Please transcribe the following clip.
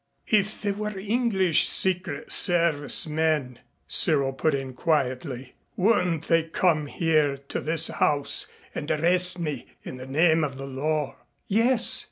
"If they were English secret service men," Cyril put in quietly, "wouldn't they come here to this house and arrest me in the name of the law?" "Yes.